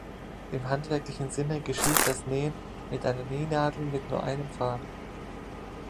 Im handwerklichen Sinne geschieht das Nähen mit einer Nähnadel mit nur einem Faden.